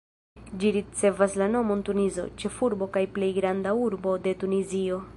Ĝi ricevas la nomon Tunizo, ĉefurbo kaj plej granda urbo de Tunizio.